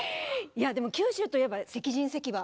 いやでも九州といえば石人石馬。